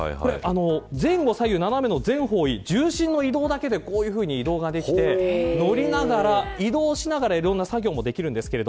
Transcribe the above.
前後左右斜めの全方位、重心の移動だけでこういうふうに移動ができて乗りながら移動しながらいろいろな作業もできます。